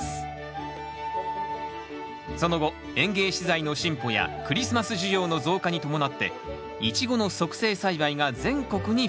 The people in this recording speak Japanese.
その後園芸資材の進歩やクリスマス需要の増加に伴ってイチゴの促成栽培が全国に普及。